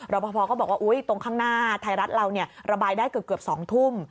พอก็บอกว่าตรงข้างหน้าไทยรัฐเราระบายได้เกือบ๒ทุ่ม